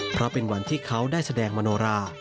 เพราะเป็นวันที่เขาได้แสดงมโนรา